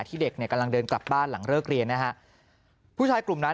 เด็กเนี่ยกำลังเดินกลับบ้านหลังเลิกเรียนนะฮะผู้ชายกลุ่มนั้น